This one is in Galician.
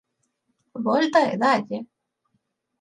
Volta e dálle!